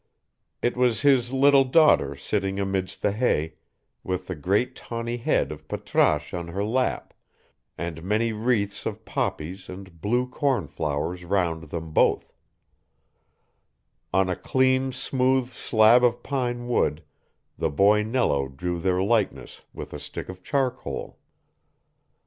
It was his little daughter sitting amidst the hay, with the great tawny head of Patrasche on her lap, and many wreaths of poppies and blue corn flowers round them both: on a clean smooth slab of pine wood the boy Nello drew their likeness with a stick of charcoal.